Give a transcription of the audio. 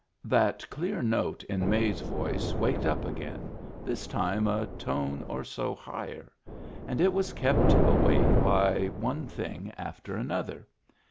That clear note in May's voice waked up again, this time a tone or so higher; and it was kept awake by one thing after another.